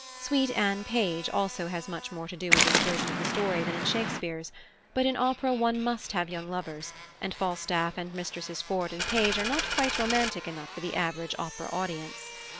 Sweet Anne Page also has much more to do in this version of the story than in Shakespeare's; but in opera one must have young lovers, and Falstaff and Mistresses Ford and Page are not quite romantic enough for the average opera audience.